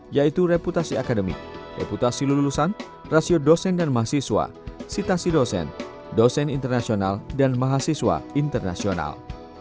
yaitu reputasi akademik reputasi lulusan rasio dosen dan mahasiswa sitasi dosen dosen internasional dan mahasiswa internasional